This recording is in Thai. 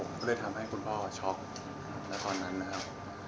ก็เลยทำให้คุณพ่อช็อกแล้วตอนนั้นนะครับ